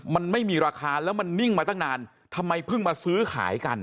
มันไม่มีราคาแล้วมันนิ่งมาตั้งนานทำไมเพิ่งมาซื้อขายกัน